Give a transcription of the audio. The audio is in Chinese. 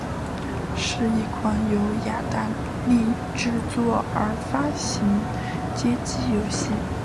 是一款由雅达利制作和发行的街机游戏。